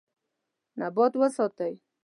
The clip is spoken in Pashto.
نبات وساتئ.